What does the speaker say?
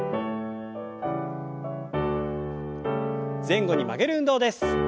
前後に曲げる運動です。